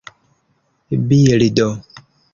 bildo